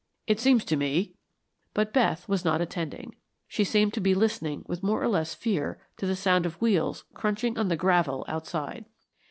It seems to me " But Beth was not attending. She seemed to be listening with more or less fear to the sound of wheels crunching on the gravel outside.